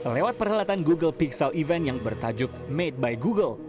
lewat perhelatan google pixel event yang bertajuk made by google